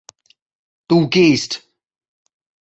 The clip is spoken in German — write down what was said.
Du gehst!